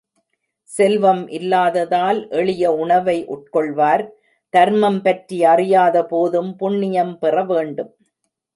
செல்வம் இல்லாததால் எளிய உணவை உட்கொள்வார், தர்மம் பற்றி அறியாதபோதும் புண்ணியம் பெற வேண்டும்.